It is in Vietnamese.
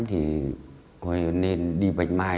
thì có nên đi bệnh mai